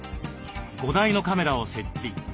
５台のカメラを設置。